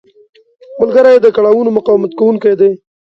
ملګری د کړاوونو مقاومت کوونکی دی